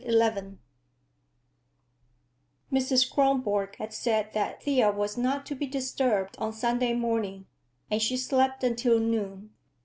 XI Mrs. Kronborg had said that Thea was not to be disturbed on Sunday morning, and she slept until noon.